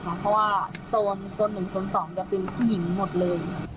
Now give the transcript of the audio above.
เพราะว่าโซนคนหนึ่งโซน๒จะเป็นผู้หญิงหมดเลย